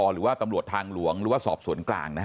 หรือว่าตำรวจทางหลวงหรือว่าสอบสวนกลางนะฮะ